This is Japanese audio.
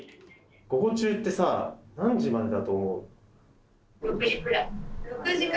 「午後中」ってさ何時までだと思う？